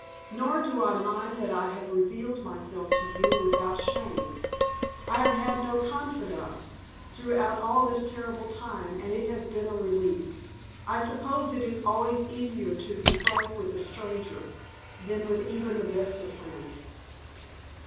Nor do I mind that I have revealed myself to you without shame. I have had no confidant throughout all this terrible time and it has been a relief. I suppose it is always easier to be frank with a stranger than with even the best of friends."